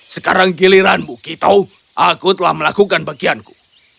sekarang giliranmu kita aku telah melakukan bagianku